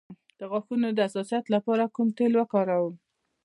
د غاښونو د حساسیت لپاره کوم تېل وکاروم؟